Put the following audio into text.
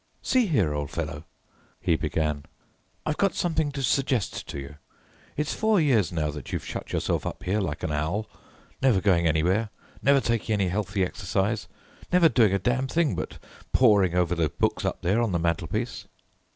"See here, old fellow," he began, "I've got something to suggest to you. It's four years now that you've shut yourself up here like an owl, never going anywhere, never taking any healthy exercise, never doing a damn thing but poring over those books up there on the mantelpiece."